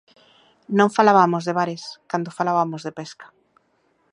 Non falabamos de bares cando falabamos de pesca.